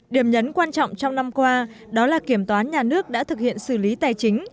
điểm nhấn quan trọng trong năm qua đó là kiểm toán nhà nước đã thực hiện xử lý tài chính